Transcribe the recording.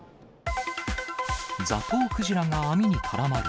ザトウクジラが網に絡まる。